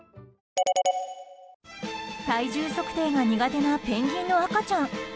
体重測定が苦手なペンギンの赤ちゃん。